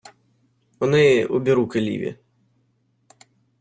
У неї обіруки ліві.